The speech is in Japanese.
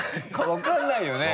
分からないよね。